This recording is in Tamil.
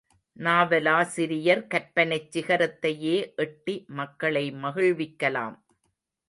நாவலாசிரியர் கற்பனைச் சிகரத்தையே எட்டி மக்களை மகிழ்விக்கலாம்.